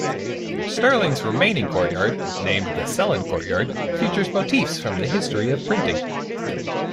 Sterling's remaining courtyard, named the Selin Courtyard, features motifs from the history of printing.